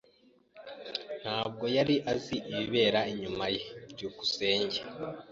Ntabwo yari azi ibibera inyuma ye. byukusenge